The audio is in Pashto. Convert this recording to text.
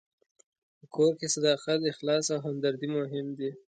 په کور کې صداقت، اخلاص او همدردي مهم دي.